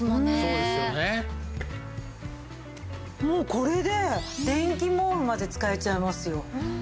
もうこれで電気毛布まで使えちゃいますよ。